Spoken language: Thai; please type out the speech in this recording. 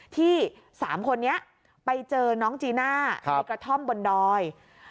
ที่๓คนนี้ไปเจอน้องจีน่าในกระท่อมบนดอย